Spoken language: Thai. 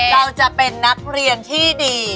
เราจะเป็นนักเรียนที่ดี